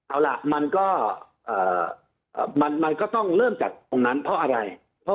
เอาล่ะมันก็มันก็ต้องเริ่มจากตรงนั้นเพราะอะไร